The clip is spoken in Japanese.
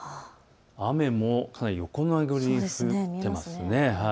雨もかなり横殴りに降っています。